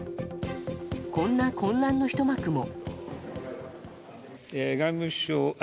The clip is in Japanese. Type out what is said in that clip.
こんな混乱のひと幕も。